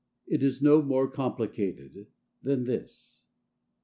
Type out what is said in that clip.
It is no more complicated than this.